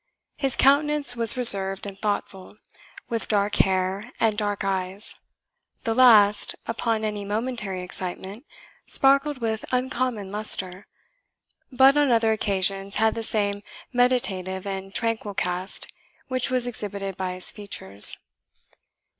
His countenance was reserved and thoughtful, with dark hair and dark eyes; the last, upon any momentary excitement, sparkled with uncommon lustre, but on other occasions had the same meditative and tranquil cast which was exhibited by his features.